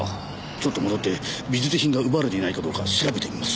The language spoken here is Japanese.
ちょっと戻って美術品が奪われていないかどうか調べてみます。